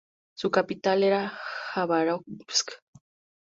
Su capital era Jabárovsk.